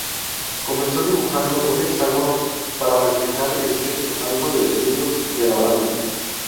Comenzó dibujando un hexágono, para reflejar el sexto álbum de estudio de la banda.